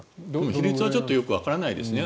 比率はちょっとよくわからないですね。